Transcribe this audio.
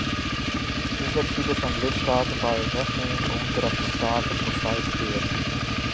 Hoe flexibel zijn de lidstaten bij het wegnemen van onterechte obstakels voor vrij verkeer?